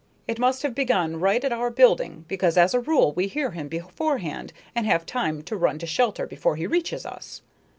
It must have begun right at our building because as a rule we hear him beforehand and have time to run to shelter before he reaches us.